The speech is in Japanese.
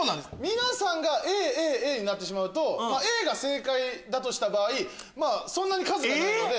皆さんがＡになってしまうとＡが正解だとした場合そんなに数がないので。